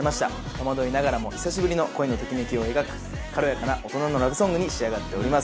戸惑いながらも久しぶりの恋のときめきを描く軽やかな大人のラブソングに仕上がっております。